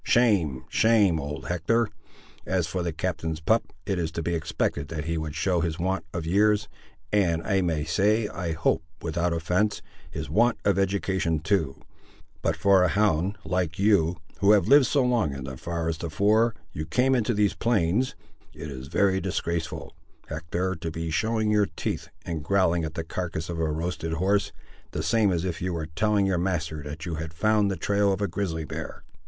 Shame, shame, old Hector: as for the captain's pup, it is to be expected that he would show his want of years, and I may say, I hope without offence, his want of education too; but for a hound, like you, who have lived so long in the forest afore you came into these plains, it is very disgraceful, Hector, to be showing your teeth, and growling at the carcass of a roasted horse, the same as if you were telling your master that you had found the trail of a grizzly bear."